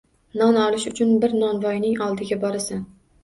Non olish uchun bir Novvoyning oldiga borasan